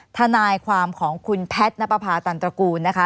ทนายความของคุณแพทย์ณปภาตันตระกูลนะคะ